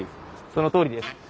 そのとおりです。